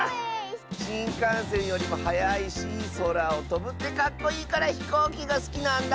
しんかんせんよりもはやいしそらをとぶってかっこいいからひこうきがすきなんだ。